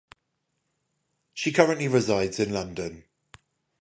She currently resides in London.